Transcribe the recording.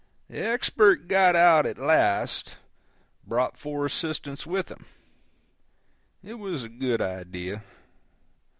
The Expert got out at last, brought four assistants with him. It was a good idea.